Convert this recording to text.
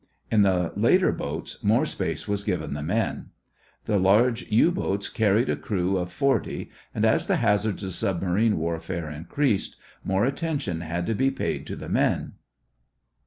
In the later boats more space was given the men. The large U boats carried a crew of forty and as the hazards of submarine warfare increased, more attention had to be paid to the men.